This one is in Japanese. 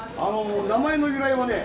名前の由来はね